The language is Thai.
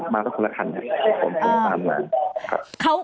มาตั้งคนละครันครับผมพร้อมมา